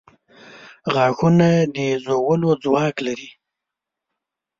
• غاښونه د ژولو ځواک لري.